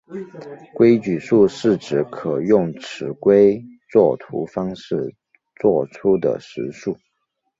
规矩数是指可用尺规作图方式作出的实数。